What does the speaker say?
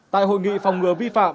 tại hội nghị phòng ngừa vi phạm